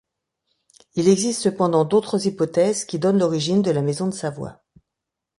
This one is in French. Il existe cependant d'autres hypothèses qui donnent l'origine de la maison de Savoie.